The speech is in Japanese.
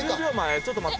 ちょっと待って！